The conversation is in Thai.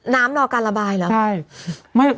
รอการระบายเหรอใช่